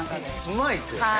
うまいですよね。